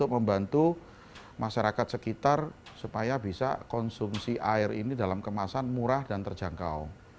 untuk membantu masyarakat sekitar supaya bisa konsumsi air ini dalam kemasan murah dan terjangkau